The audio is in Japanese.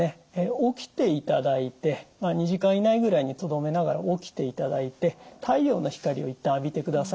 起きていただいて２時間以内ぐらいにとどめながら起きていただいて太陽の光を一旦浴びてください。